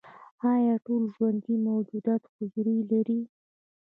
ایا ټول ژوندي موجودات حجرې لري؟